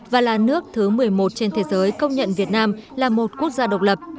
và là nước thứ một mươi một trên thế giới công nhận việt nam là một quốc gia độc lập